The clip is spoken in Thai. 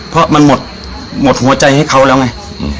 เพราะมันหมดหมดหัวใจให้เขาแล้วไง